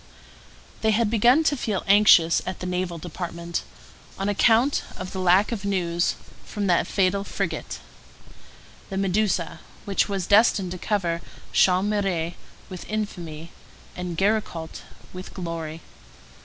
They had begun to feel anxious at the Naval Department, on account of the lack of news from that fatal frigate, The Medusa, which was destined to cover Chaumareix with infamy and Géricault with glory.